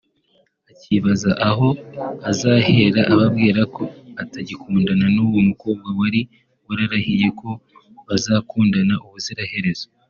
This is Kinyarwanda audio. akibaza aho azahera ababwira ko atagikundana n'uwo mukobwa wari wararahiye ko bazakundana ubuziraherezo